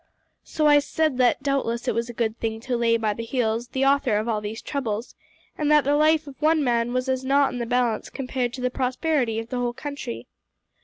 So I said that doubtless it was a good thing to lay by the heels the author of all these troubles, and that the life of one man was as nought in the balance compared to the prosperity of the whole country.